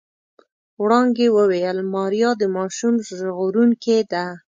وړانګې وويل ماريا د ماشوم ژغورونکې ده.